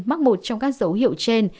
mắc một trong các dấu hiệu trên